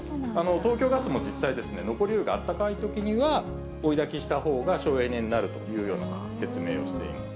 東京ガスも実際、残り湯があったかいときには、追いだきしたほうが省エネになるというような説明をしています。